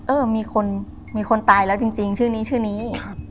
เออมีคนมีคนตายแล้วจริงชื่อนี้ชื่อนี้